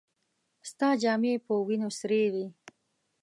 ستا جامې په وينو سرې وې.